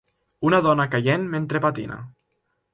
Una dona caient mentre patina.